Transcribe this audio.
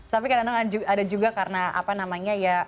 tapi kadang kadang ada juga karena apa namanya ya